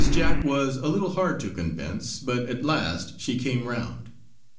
Jack was a little hard to convince; but at last she came round.